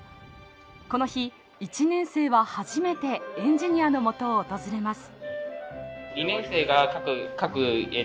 この日１年生は初めてエンジニアのもとを訪れます。